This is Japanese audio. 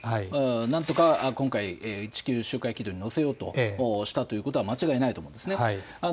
なんとか今回、地球周回軌道に乗せようとしたということは間違いないと思います。